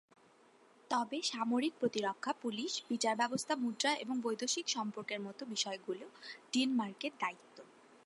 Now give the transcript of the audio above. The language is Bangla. তবে সামরিক প্রতিরক্ষা, পুলিশ, বিচার ব্যবস্থা, মুদ্রা এবং বৈদেশিক সম্পর্কের মতো বিষয়গুলি ডেনমার্কের দায়িত্ব।